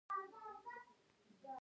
بزگر یویې کوي.